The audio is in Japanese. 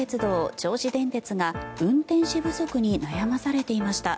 銚子電鉄が運転士不足に悩まされていました。